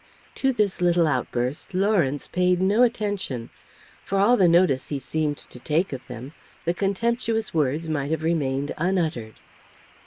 To this little outburst Lawrence paid no attention. For all the notice he seemed to take of them the contemptuous words might have remained unuttered.